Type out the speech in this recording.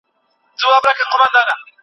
د هېواد پرمختګ د خلګو له قربانيو سره تړلی دی.